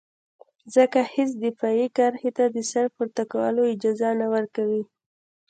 ځکه هېڅ دفاعي کرښې ته د سر پورته کولو اجازه نه ورکوي.